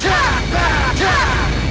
jangan kurang ajar